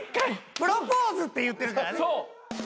プロポーズって言ってるからね。